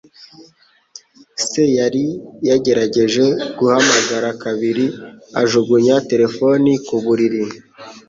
Se yari yagerageje guhamagara kabiri, ajugunya terefone ku buriri.